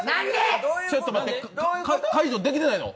ちょっと待って解除できてないの？